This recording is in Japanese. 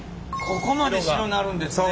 ここまで白なるんですね。